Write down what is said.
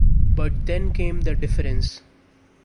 But then came the difference.